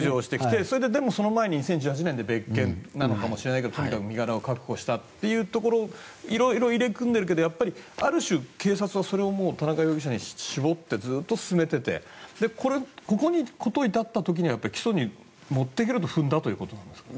それで、その前に２０１８年で別件なのかもしれないけどとにかく身柄を確保したということ色々入り組んでいるけどやっぱりある種、警察はそれを田中容疑者に絞ってずっと進めていてここに、事至った時には起訴に持っていけると踏んだということなんですかね。